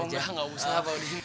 oh enggak enggak usah pak udin